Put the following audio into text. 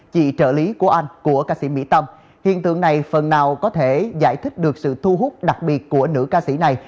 chị trợ lý của anh của ca sĩ mỹ tâm hiện tượng này phần nào có thể giải thích được sự thu hút đặc biệt của nữ ca sĩ này